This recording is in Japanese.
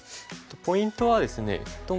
ポイントはですね